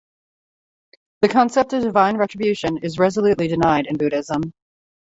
The concept of divine retribution is resolutely denied in Buddhism.